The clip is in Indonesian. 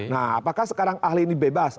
nah apakah sekarang ahli ini bebas